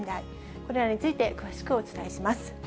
これらについて詳しくお伝えします。